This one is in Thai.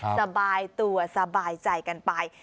สบายตัวสบายใจกันไป